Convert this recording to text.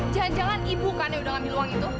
jangan jangan ibu kan yang udah ngambil uang itu